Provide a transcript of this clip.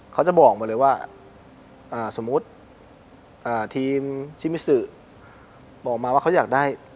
เขาจะบอกมาเลยว่าสมมุติทีมชิมิซือบอกมาว่าเขาอยากได้